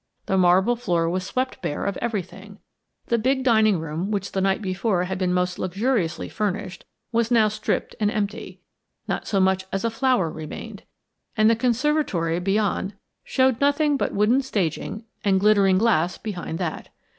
The marble floor was swept bare of everything, the big dining room which the night before had been most luxuriously furnished, was now stripped and empty; not so much as a flower remained; and the conservatory beyond showed nothing but wooden staging and glittering glass behind that.